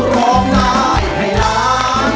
ร้องได้ให้ล้าน